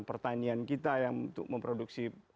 pertanian kita yang untuk memproduksi